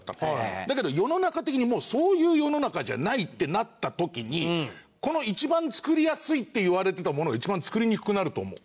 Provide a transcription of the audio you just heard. だけど世の中的にもうそういう世の中じゃないってなった時にこの一番作りやすいっていわれてたものが一番作りにくくなると思う。